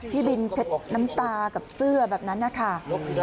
พี่บินเช็ดน้ำตากับเสื้อแบบนั้นนะคะ